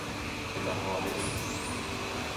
Petra c'hoarvez ?